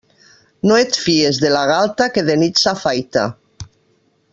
No et fies de la galta que de nit s'afaita.